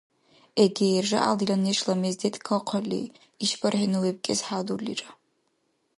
Эгер жягӀял дила нешла мез деткахъалли, ишбархӀи ну вебкӀес хӀядурлира